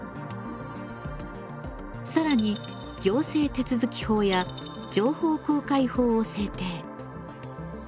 更に行政手続法や情報公開法を制定。